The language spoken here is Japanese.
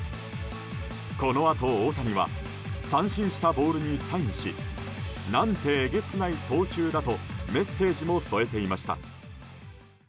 このあと大谷は三振したボールにサインし何てえげつない投球だとメッセージも添えていました。